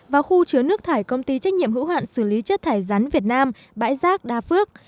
và khu chứa nước thải công ty trách nhiệm hữu hạn xử lý chất thải rắn việt nam bãi rác đa phước